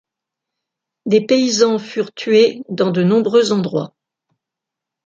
Des paysans furent tués dans de nombreux endroits.